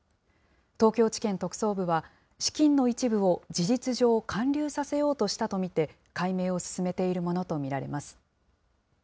東京地検特捜部は資金の一部を事実上、還流させようとしたと見て、解明を進めているものと見られます。